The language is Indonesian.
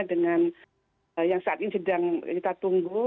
dengan yang saat ini sedang kita tunggu